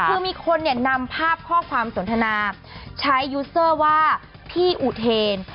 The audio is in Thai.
คือมีคนเนี่ยนำภาพข้อความสนทนาใช้ยูสเซอร์ว่าพี่อุเทน